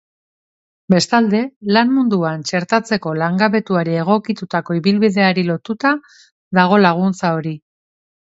Bestalde, lan-munduan txertatzeko langabetuari egokitutako ibilbideari lotuta dago laguntza hori.